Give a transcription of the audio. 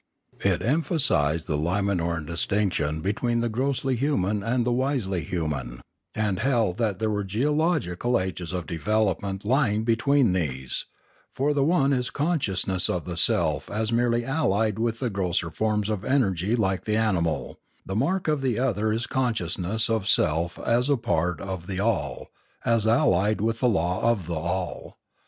It emphasised the Limanorau distinction between the grossly human and the wisely human, and held that there were geological ages of development lying between these; for the one is conscious of the self as merely allied with the grosser forms of energy like the animal; the mark of the other is the consciousness of self as a part of the all, as allied with the law of the all.